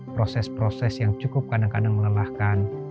proses proses yang cukup kadang kadang melelahkan